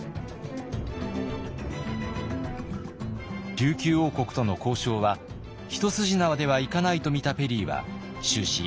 琉球王国との交渉は一筋縄ではいかないとみたペリーは終始強気の姿勢を貫きます。